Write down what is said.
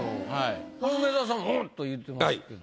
梅沢さんも「うん」と言ってますけど。